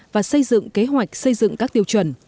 và xây dựng kế hoạch xây dựng các tiêu chuẩn